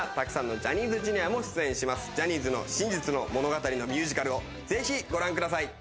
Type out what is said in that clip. ジャニーズの真実の物語のミュージカルをぜひご覧ください。